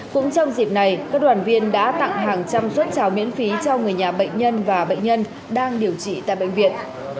cũng trong dịp này các đoàn viên đã tặng hàng trăm xuất miễn phí cho người nhà bệnh nhân và bệnh nhân đang điều trị tại bệnh viện